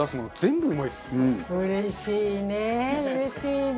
うれしいねうれしいね。